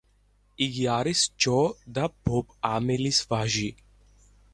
იგი არის ჯო და ბობ ამელის ვაჟი.